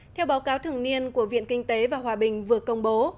theo báo cáo thường niên của viện kinh tế và hòa bình vừa công bố